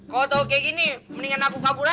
kalau tau kayak gini mendingan aku yang dihukum ya pak